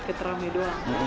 ikut rame doang